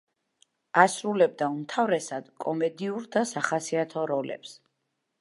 ასრულებდა უმთავრესად კომედიურ და სახასიათო როლებს.